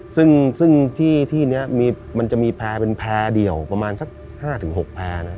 ซึ่งซึ่งที่ที่เนี้ยมีมันจะมีแพร่เป็นแพร่เดียวประมาณสักห้าถึงหกแพร่นะครับ